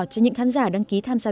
cho những khán giả đăng ký tham gia